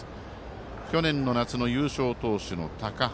去年の夏の優勝投手の高橋。